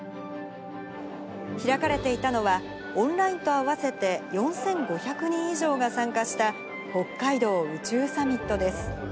開かれていたのは、オンラインと合わせて４５００人以上が参加した、北海道宇宙サミットです。